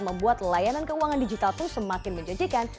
membuat layanan keuangan digital pun semakin menjanjikan